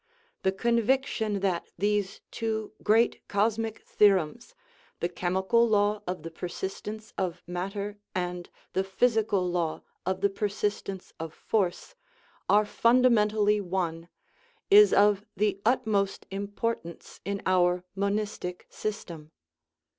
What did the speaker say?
The conviction that these two great cosmic theorems, the chemical law of the persistence of matter and the physical law of the persistence of force, are fundament ally one, is of the utmost importance in our monistic system.